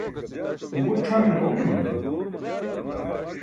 u buṭ c̣hamine omanuman